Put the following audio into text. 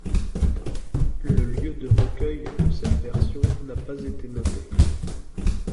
Le lieu de recueil de cette version n'a pas été noté.